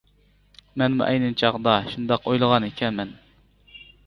مەنمۇ ئەينى چاغدا شۇنداق ئويلىغان ئىكەنمەن.